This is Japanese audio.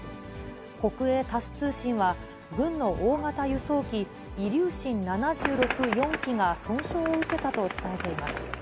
国営タス通信は、軍の大型輸送機、イリューシン７６、４機が損傷を受けたと伝えています。